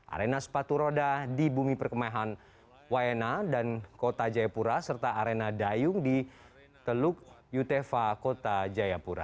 arena sepatu roda di bumi perkemahan waena dan kota jayapura serta arena dayung di teluk yutefa kota jayapura